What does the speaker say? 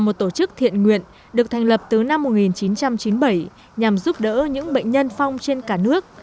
một tổ chức thiện nguyện được thành lập từ năm một nghìn chín trăm chín mươi bảy nhằm giúp đỡ những bệnh nhân phong trên cả nước